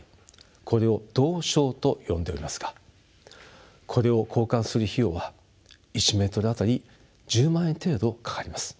これを道床と呼んでおりますがこれを交換する費用は１メートル当たり１０万円程度かかります。